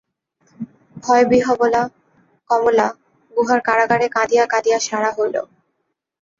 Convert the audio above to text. ভয়বিহ্বলা কমল গুহার কারাগারে কাঁদিয়া কাঁদিয়া সারা হইল।